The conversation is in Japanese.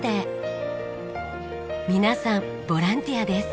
皆さんボランティアです。